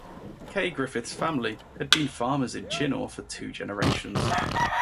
Kaye Griffiths' family had been farmers in Chinnor for two generations.